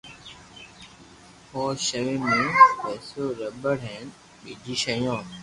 او ݾيوين مون پيسلو رٻڙ ھين ٻجي ݾيون